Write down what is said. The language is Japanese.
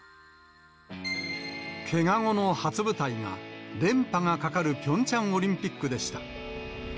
けが後の初舞台が、連覇がかかるピョンチャンオリンピックでした。